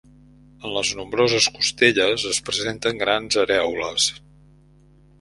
En les nombroses costelles es presenten grans arèoles.